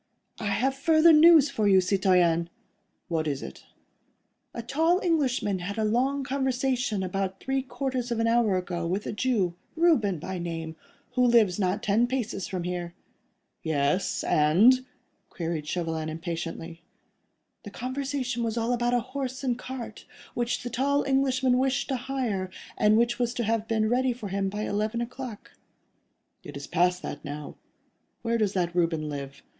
"I have further news for you, citoyen." "What is it?" "A tall Englishman had a long conversation about three quarters of an hour ago with a Jew, Reuben by name, who lives not ten paces from here." "Yes—and?" queried Chauvelin, impatiently. "The conversation was all about a horse and cart, which the tall Englishman wished to hire, and which was to have been ready for him by eleven o'clock." "It is past that now. Where does that Reuben live?"